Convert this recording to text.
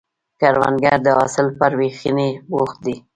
کروندګر د حاصل پر ویشنې بوخت دی